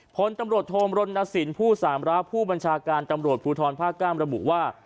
ผลตำรวจโทมรณสินผู้สามระผู้บัญชาการตำรวจภูทรภาค๙ระบุว่า